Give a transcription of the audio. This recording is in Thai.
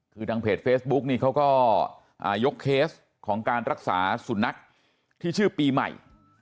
คือทางเพจเฟซบุ๊กนี่เขาก็ยกเคสของการรักษาสุนัขที่ชื่อปีใหม่